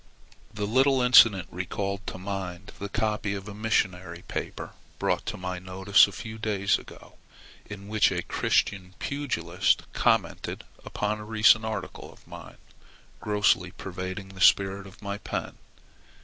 The little incident recalled to mind the copy of a missionary paper brought to my notice a few days ago, in which a "Christian" pugilist commented upon a recent article of mine, grossly perverting the spirit of my pen.